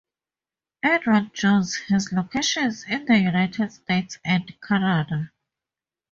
Edward Jones has locations in the United States and Canada.